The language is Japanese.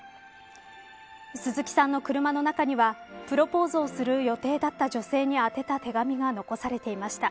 鈴木さんの車の中にはプロポーズをする予定だった女性に宛てた手紙が残されていました。